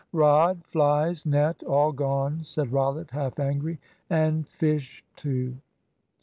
"Rod, flies, net, all gone," said Rollitt, half angry; "and fish too."